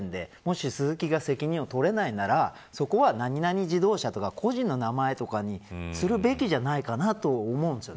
もしスズキが責任を取れないならそこは何々自動車とか個人の名前とかにするべきじゃないかなと思うんですよね。